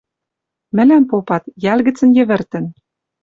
Мӹлӓм попат: йӓл гӹцӹн йӹвӹртӹн